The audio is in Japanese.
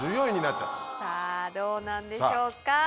さぁどうなんでしょうか？